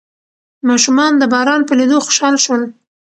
ماشومان د باران په لیدو خوشحال شول.